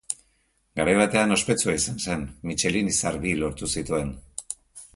Garai batean ospetsua izan zen, Michelin izar bi lortu zituen.